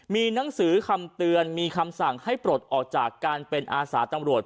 มีหนังสือคำเตือนมีคำสั่งให้ปลดออกจากการเป็นอาสาตำรวจ